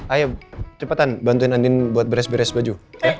ayo cepatan bantuin andin buat beres beres baju